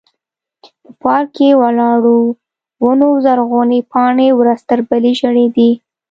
په پارک کې ولاړو ونو زرغونې پاڼې ورځ تر بلې ژړېدې.